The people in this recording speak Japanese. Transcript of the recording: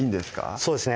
そうですね